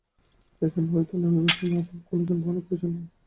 এখান হইতে নামিবার সময় আমার কোন যানবাহনের প্রয়োজন নাই।